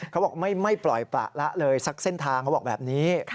เขาบอกไม่ปล่อยประละเลยสักเส้นทางเขาบอกแบบนี้